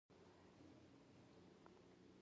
چرګان د شنو ساحو سره مینه لري.